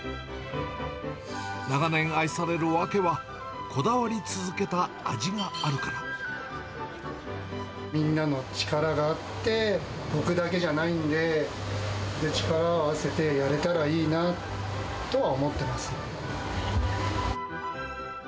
長年愛される訳は、みんなの力があって、僕だけじゃないんで、力を合わせてやれたらいいなとは思ってますよね。